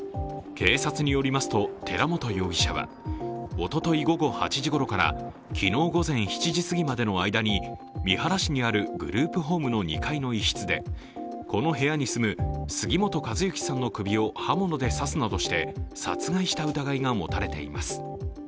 警察によりますと、寺本容疑者はおととい午後８時ごろから昨日午前７時すぎまでの間に三原市にあるグループホームの２階の一室でこの部屋に住む杉本和幸さんの首を刃物で刺すなどして殺害した疑いが持たれています。